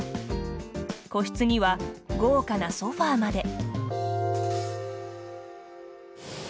個室には、豪華なソファーまで。